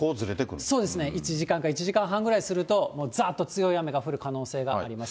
そうですね、１時間か１時間半ぐらいすると、ざっと強い雨が降る可能性があります。